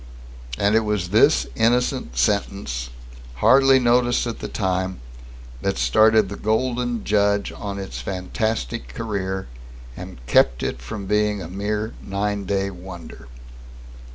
And it was this innocent sentence, hardly noticed at the time, that started the "Golden Judge" on its fantastic career, and kept it from being a mere nine day wonder.